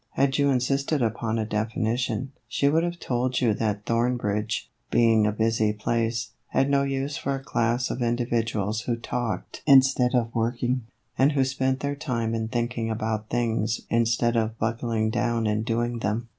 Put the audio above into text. Had you insisted upon a definition, she would have told you that Thorn bridge, being a busy place, had no use for a class of individuals who talked instead of working, and who spent their time in thinking about things instead of buckling down and doing them.